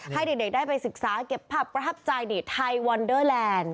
ให้เด็กได้ไปศึกษาเก็บภาพประทับใจนี่ไทยวอนเดอร์แลนด์